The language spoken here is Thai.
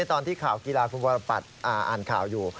ตอนที่ข่าวกีฬาคุณวรปัตย์อ่านข่าวอยู่